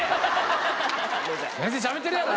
先生しゃべってるやろ。